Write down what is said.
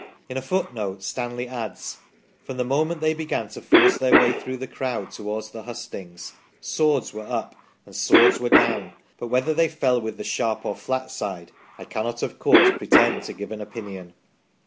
In a footnote Stanley adds :" from the moment they began to force their way through the crowd towards the hustings, swords were up and swords were down, but whether they fell with the sharp or flat side I cannot, of course, pretend to give an opinion